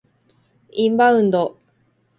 インバウンド